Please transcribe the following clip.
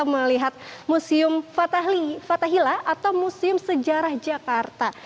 melihat museum fathahila atau museum sejarah jakarta